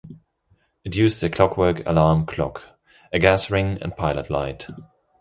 It used a clockwork alarm clock, a gas ring and pilot light.